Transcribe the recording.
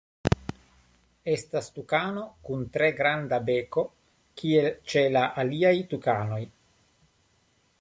Estas tukano kun tre granda beko kiel ĉe la aliaj tukanoj.